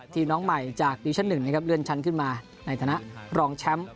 น้องใหม่จากดิวิชั่น๑นะครับเลื่อนชั้นขึ้นมาในฐานะรองแชมป์